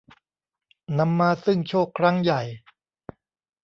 นำมาซึ่งโชคครั้งใหญ่